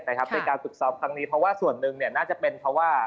ในการฝึกซ้อมครั้งนี้เพราะว่าส่วนหนึ่งน่าจะเป็นเพราะว่า